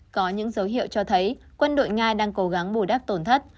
có những dấu hiệu cho thấy quân đội nga đang cố gắng bù đắp tổn thất